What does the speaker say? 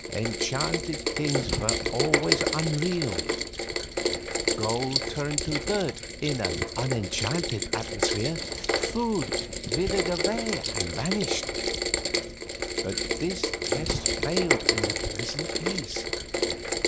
Enchanted things were always unreal. Gold turned to dirt in an unenchanted atmosphere, food withered away and vanished. But this test failed in the present case.